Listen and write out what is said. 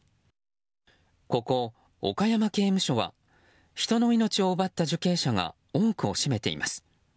ここ岡山刑務所は人の命を奪った受刑者が多くを占めています。